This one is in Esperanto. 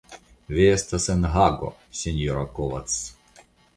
Vi estas en Hago, sinjoro Kovacs.